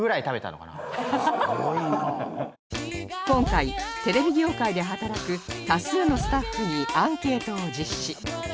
今回テレビ業界で働く多数のスタッフにアンケートを実施